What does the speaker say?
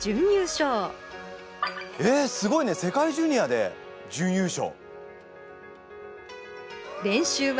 すごいね世界ジュニアで準優勝！